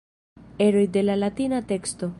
Eroj de la latina teksto.